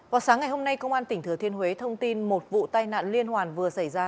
vào sáng ngày hôm nay công an tỉnh thừa thiên huế thông tin một vụ tai nạn liên hoàn vừa xảy ra